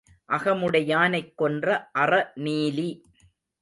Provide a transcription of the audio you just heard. அகமுடையானைக் கொன்ற அற நீலி.